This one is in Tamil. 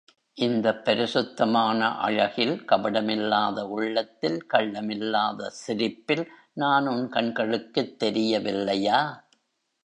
இந்தப் பரிசுத்தமான அழகில், கபடமில்லாத உள்ளத்தில், கள்ளமில்லாத சிரிப்பில் நான் உன் கண்களுக்குத் தெரிய வில்லையா?